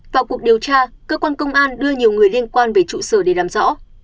vào cuộc điều tra cơ quan công an đưa nhiều người liên quan về trụ sở để làm rõ